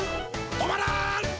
止まらん！